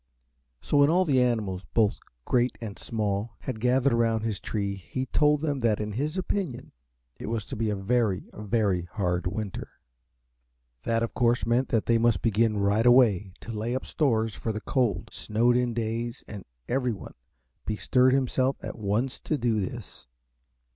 So when all the animals both great and small had gathered around his tree he told them that in his opinion it was to be a very, very hard winter. That of course meant that they must begin right away to lay up stores for the cold, snowed in days, and everyone bestirred himself at once to do this.